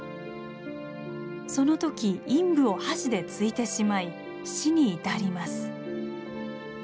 その時陰部を箸で突いてしまい死に至ります。